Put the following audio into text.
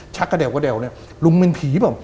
ชักกว่าแดดว่าแดดว่าว่าลุงเป็นผีป่ะ